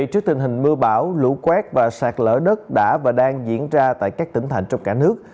trước tình hình mưa bão lũ quét và sạt lở đất đã và đang diễn ra tại các tỉnh thành trong cả nước